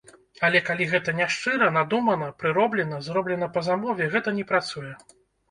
Але калі гэта няшчыра, надумана, прыроблена, зроблена па замове, гэта не працуе.